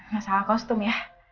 masalah kostum ya